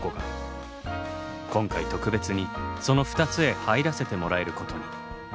今回特別にその２つへ入らせてもらえることに。